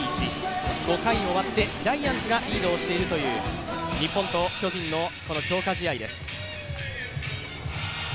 ５回終わってジャイアンツがリードをしているという日本と巨人の強化試合です。